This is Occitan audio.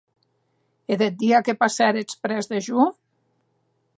E deth dia que passéretz près de jo?